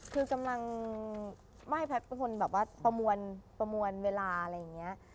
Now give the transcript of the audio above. คือกำลังไม่ให้แพทย์เป็นคนประมวลเวลาอะไรอย่างนี้